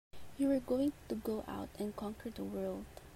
You were going to go out and conquer the world!